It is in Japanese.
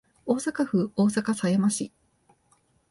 大阪府大阪狭山市